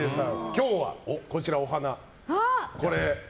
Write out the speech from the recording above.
今日は、こちらのお花。